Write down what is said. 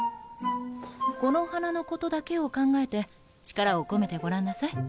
この花のことだけを考えて力を込めてごらんなさい。